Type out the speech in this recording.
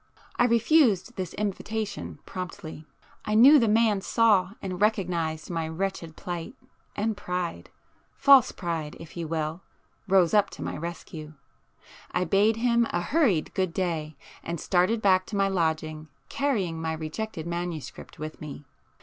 I refused this invitation promptly. I knew the man saw and recognised my wretched plight,—and pride—false pride if you will—rose up to my rescue. I bade him a hurried good day, and started back to my lodging, carrying my rejected manuscript with me.